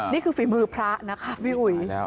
ฝีมือพระนะคะพี่อุ๋ย